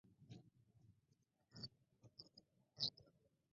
La especie hiberna en forma de larva.